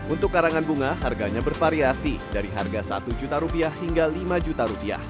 untuk karangan bunga harganya bervariasi dari harga rp satu juta rupiah hingga lima juta rupiah